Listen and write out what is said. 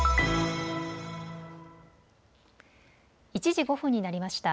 １時５分になりました。